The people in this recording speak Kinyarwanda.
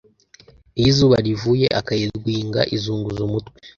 Iyo izuba rivuye akayidwinga izunguza umutwe,